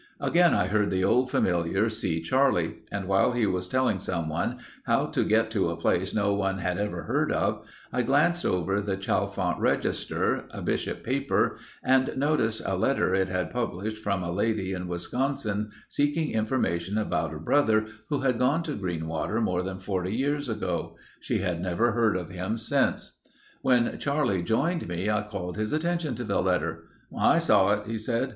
Again I heard the old familiar, "See Charlie," and while he was telling someone how to get to a place no one around had ever heard of, I glanced over the Chalfant Register, a Bishop paper, and noticed a letter it had published from a lady in Wisconsin seeking information about a brother who had gone to Greenwater more than 40 years ago. She had never heard of him since. When Charlie joined me I called his attention to the letter. "I saw it," he said.